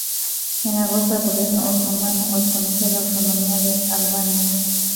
En agosto, el Gobierno otomano reconoció la autonomía de Albania.